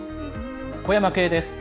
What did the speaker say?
小山径です。